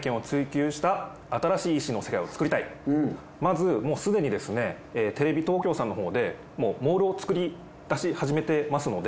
まずすでにですねテレビ東京さんのほうでモールを作り出し始めてますので。